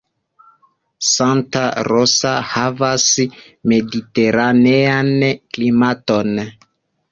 Santa Rosa havas mediteranean klimaton.